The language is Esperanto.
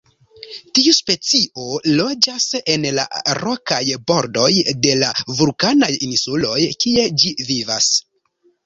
Tiu specio loĝas en la rokaj bordoj de la vulkanaj insuloj kie ĝi vivas.